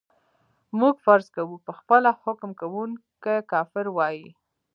موږ فرض کوو چې خپله حکم کوونکی کافر وای.